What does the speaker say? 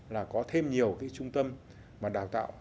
là có thêm nhiều cái trung tâm mà đào tạo